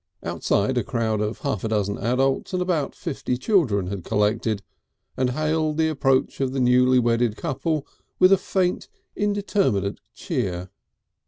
Outside, a crowd of half a dozen adults and about fifty children had collected, and hailed the approach of the newly wedded couple with a faint, indeterminate cheer.